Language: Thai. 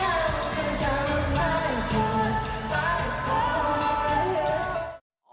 ร้องเพลงดิวพีชหรอ